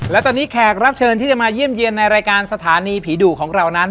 และตอนนี้แขกรับเชิญที่จะมาเยี่ยมเยี่ยนในรายการสถานีผีดุของเรานั้น